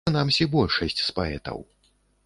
Прынамсі, большасць з паэтаў.